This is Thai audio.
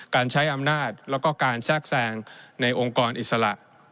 การใช้อำนาจแล้วก็การแทรกแทรงในองค์กรอิสระ